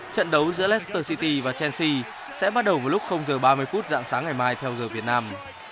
trận đấu giữa leicester city và chelsea sẽ bắt đầu vào lúc h ba mươi phút dạng sáng ngày mai theo giờ việt nam